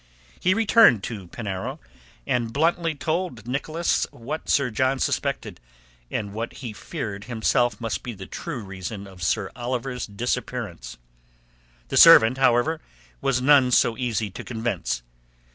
He returned to Penarrow, and bluntly told Nicholas what Sir John suspected and what he feared himself must be the true reason of Sir Oliver's disappearance. The servant, however, was none so easy to convince.